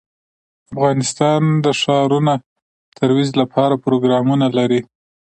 افغانستان د ښارونه د ترویج لپاره پروګرامونه لري.